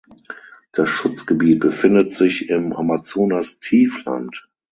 Das Schutzgebiet befindet sich im Amazonastiefland.